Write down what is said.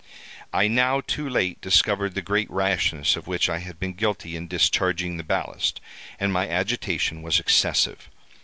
I now too late discovered the great rashness of which I had been guilty in discharging the ballast, and my agitation was excessive.